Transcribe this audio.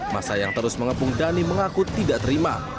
masa yang terus mengepung dhani mengaku tidak terima